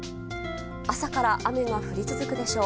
朝から雨が降り続くでしょう。